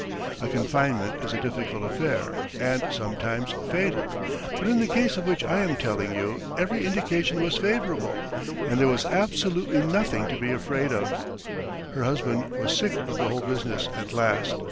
A confinement is a difficult affair and sometimes fatal, but in the case of which I am telling you every indication was favourable, and there was absolutely nothing to be afraid of. Her husband was sick of the whole business at last.